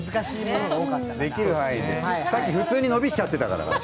さっき、普通に伸びしちゃってたから。